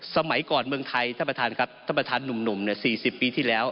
สมัยก่อนเมืองไทยท่านประธานครับท่านประธานหนุ่มเนี่ย๔๐ปีที่แล้ว